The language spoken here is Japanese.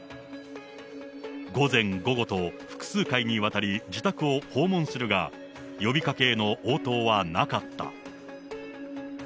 午前、午後と複数回にわたり、自宅を訪問するが、呼びかけへの応答はなかった。